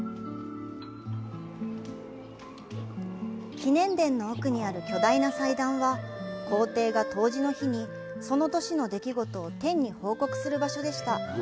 祈年殿の奥にある巨大な祭壇は皇帝が冬至の日に、その年の出来事を天に報告する場所でした。